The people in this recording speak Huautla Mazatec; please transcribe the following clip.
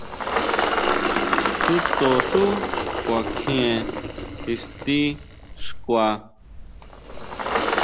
Xúto xú kuakjien ixti xkua.